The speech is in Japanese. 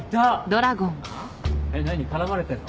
えっ何絡まれてんの？